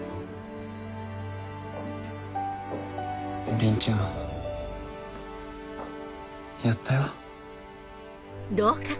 倫ちゃんやったよ。